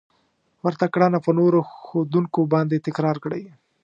ورته کړنه په نورو ښودونکو باندې تکرار کړئ.